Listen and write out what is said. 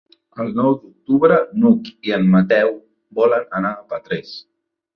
El nou d'octubre n'Hug i en Mateu volen anar a Petrés.